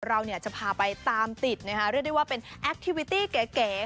เราจะพาไปตามติดเรียกได้ว่าเป็นแอคทีวิตี้เก๋